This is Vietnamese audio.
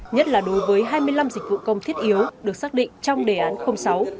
nhất là đối với hai mươi năm dịch vụ công thiết yếu được xác định trong đề án sáu